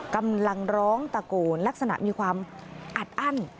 กำลังร้องตะโกนลักษณะมีความอัดอั้น